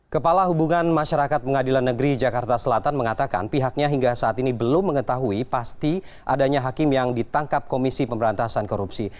kepala hubungan masyarakat pengadilan negeri jakarta selatan mengatakan pihaknya hingga saat ini belum mengetahui pasti adanya hakim yang ditangkap komisi pemberantasan korupsi